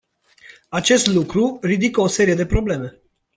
Acest lucru ridică o serie de probleme.